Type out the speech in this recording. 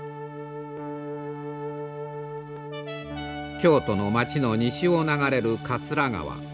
京都の街の西を流れる桂川。